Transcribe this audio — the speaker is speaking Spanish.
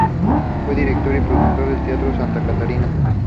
Fue director y productor del teatro Santa Catarina.